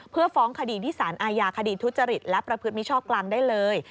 เพื่อฟ้องคดีที่สารอาญาคดีทุจริตและประพฤติมิชชอบกลางได้เลย